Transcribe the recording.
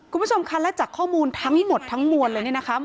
คุณผู้ชมคะและจากข้อมูลทั้งหมดทั้งมวลเลยเนี่ยนะคะ